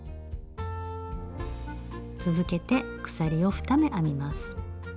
続けて鎖を２目編みます。